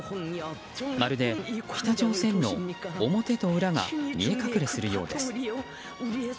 まるで北朝鮮の表と裏が見え隠れするようです。